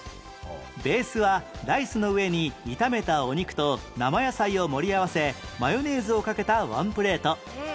ベースはライスの上に炒めたお肉と生野菜を盛り合わせマヨネーズをかけたワンプレート